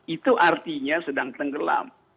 itu artinya sedang tenggelam